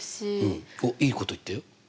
おっいいこと言ったよ。